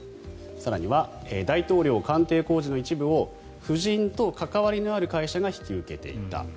更には、大統領官邸工事の一部を夫人と関わりのある会社が引き受けていた。